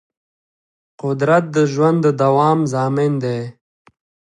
قدرت د ژوند د دوام ضامن دی.